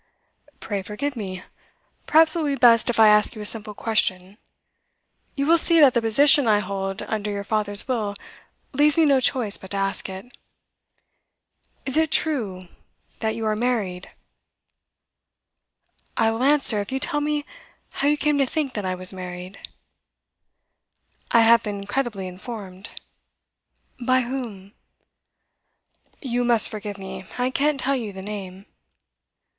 'Pray forgive me. Perhaps it will be best if I ask you a simple question. You will see that the position I hold under your father's will leaves me no choice but to ask it. Is it true that you are married?' 'I will answer if you tell me how you came to think that I was married.' 'I have been credibly informed.' 'By whom?' 'You must forgive me. I can't tell you the name.